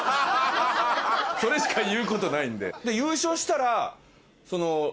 それしか言うことないんで。